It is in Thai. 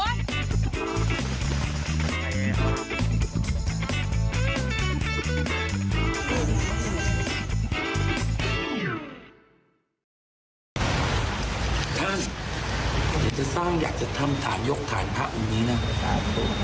ท่านอยากจะสร้างอยากจะทำฐานยกฐานพระองค์นี้นะครับ